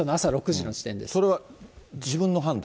それは自分の判断？